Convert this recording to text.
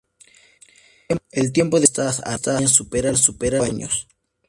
El tiempo de vida de estas arañas supera los cinco años.